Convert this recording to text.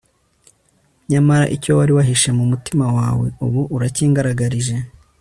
nyamara, icyo wari wahishe mu mutima wawe, ubu urakingaragarije